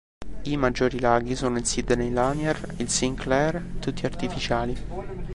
I maggiori laghi sono il Sidney Lanier, il Sinclair, tutti artificiali.